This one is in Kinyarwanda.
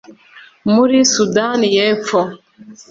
muri Sudani y’Epfo